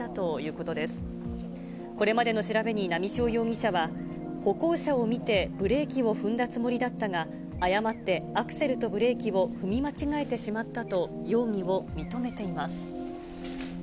これまでの調べに波汐容疑者は、歩行者を見て、ブレーキを踏んだつもりだったが、誤ってアクセルとブレーキを踏み間違えてしまったと、容疑を認めています。